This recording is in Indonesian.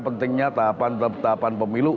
pentingnya tahapan tahapan pemilu